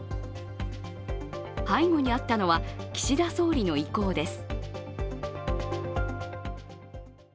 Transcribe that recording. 背後にあったのは岸田総理の意向です。